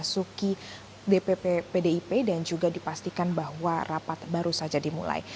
masuki dpp pdip dan juga dipastikan bahwa rapat baru saja dimulai